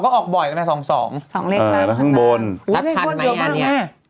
๒๒ก็ออกบ่อยเนี่ย๒๒